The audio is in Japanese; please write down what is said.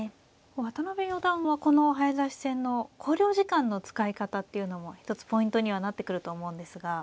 渡辺四段はこの早指し戦の考慮時間の使い方っていうのも一つポイントにはなってくると思うんですが。